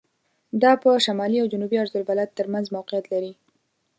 دا په شمالي او جنوبي عرض البلد تر منځ موقعیت لري.